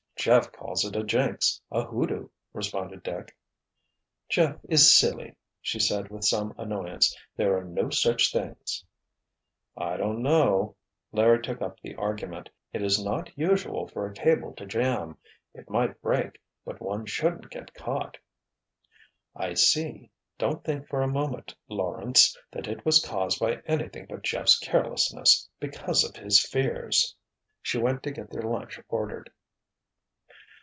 "Jeff calls it a 'jinx'—a 'hoodoo'," responded Dick. "Jeff is silly," she said with some annoyance. "There are no such things." "I don't know—" Larry took up the argument. "It is not usual for a cable to jam. It might break, but one shouldn't get caught." "I see. Don't think for a moment, Lawrence, that it was caused by anything but Jeff's carelessness, because of his fears." She went to get their lunch ordered.